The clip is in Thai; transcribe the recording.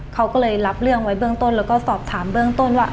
เขาก็เลยรับเรื่องไว้เบื้องต้นแล้วก็สอบถามเบื้องต้นว่า